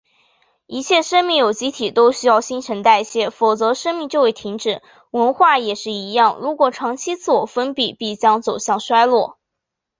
一切生命有机体都需要新陈代谢，否则生命就会停止。文明也是一样，如果长期自我封闭，必将走向衰落。